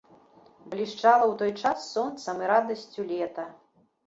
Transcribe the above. Блішчала ў той час сонцам і радасцю лета.